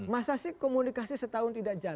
masa sih komunikasi setahun tidak jalan